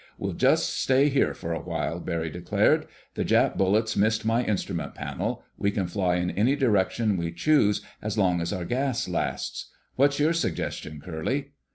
"We'll just stay here for a while," Barry declared. "The Jap bullets missed my instrument panel. We can fly in any direction we choose as long as our gas lasts. What's your suggestion, Curly?"